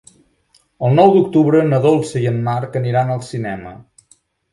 El nou d'octubre na Dolça i en Marc aniran al cinema.